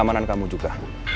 demi keamanan kamu juga